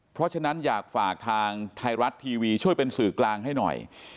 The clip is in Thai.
เพราะฉะนั้นอยากฝากทางไทยรัฐทีวีช่วยเป็นสื่อกลางให้หน่อย